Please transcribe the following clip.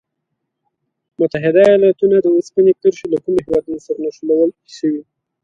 متحد ایلاتونو د اوسپنې کرښې له کومو هېوادونو سره نښلول شوي؟